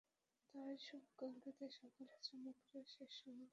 তাই শুভাকাঙ্ক্ষীদের সঙ্গে আলোচনা করে শেষ সম্বল কয়েক শতক জমি বিক্রি করেছি।